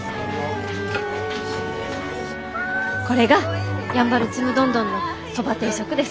これがやんばるちむどんどんのそば定食です。